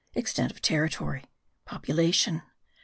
EXTENT OF TERRITORY. POPULATION.